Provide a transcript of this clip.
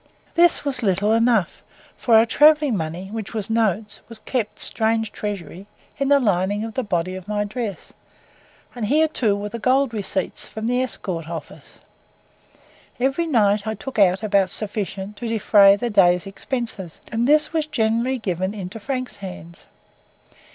This was little enough, for our travelling money, which was notes, was kept strange treasury in the lining of the body of my dress, and here too were the gold receipts from the Escort Office. Every night I took out about sufficient to defray the day's expenses, and this was generally given into Frank's hands.